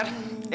terima kasih ya